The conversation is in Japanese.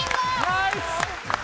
ナイス！